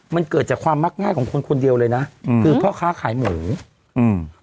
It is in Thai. มันเกิดจากความมักง่ายของคนคนเดียวเลยนะอืมคือพ่อค้าขายหมูอืม